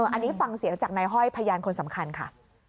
อันนี้ฟังเสียงจากนายห้อยพยานคนสำคัญค่ะ